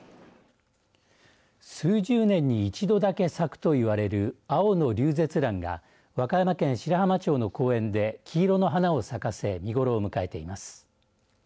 数十年に一度だけ咲くといわれるアオノリュウゼツランが和歌山県白浜町の公園で黄色の花を咲かせ見頃を迎えています。